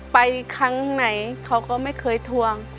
ครั้งไหนเขาก็ไม่เคยทวง